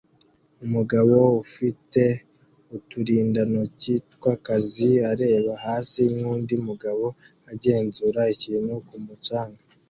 Umugabo ufite uturindantoki twakazi areba hasi nkundi mugabo agenzura ikintu ku mucanga